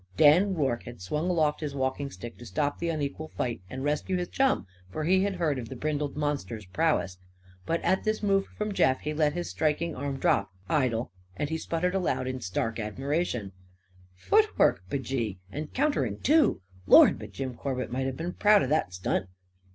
Dan Rorke had swung aloft his walking stick to stop the unequal fight and rescue his chum, for he had heard of the brindled monster's prowess. But at this move from Jeff he let his striking arm drop, idle, and he sputtered aloud in stark admiration: "Footwork, b'gee! And countering, too! Lord, but Jim Corbett might 'a' been proud of that stunt!"